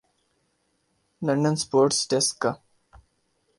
London sports ڈیسکا